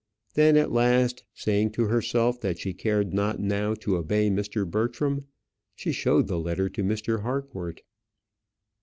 Then at last, saying to herself that she cared not now to obey Mr. Bertram, she showed the letter to Mr. Harcourt.